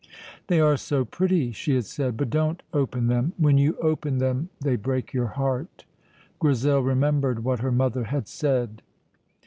"They are so pretty," she had said; "but don't open them: when you open them they break your heart." Grizel remembered what her mother had said.